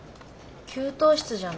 給湯室じゃない？